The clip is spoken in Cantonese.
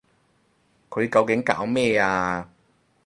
佢究竟搞咩啊？